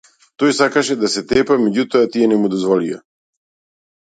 Тој сакаше да се тепа меѓутоа тие не му дозволија.